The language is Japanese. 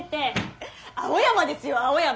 青山ですよ青山。